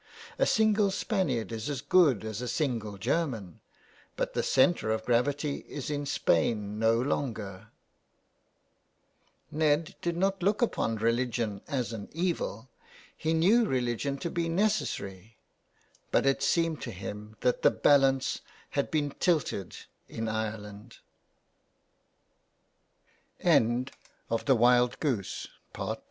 A single Spaniard is as good as a single German, but the centre of gravity is in Spain no longer. Ned did not look upon religion as an evil ; he knew religion to be necessary ; but it seemed to him that the balance had been tilte